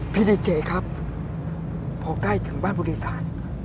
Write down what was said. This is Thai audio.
พี่นายเจครับพวกใกล้ถึงบ้านบุธีศาสตร์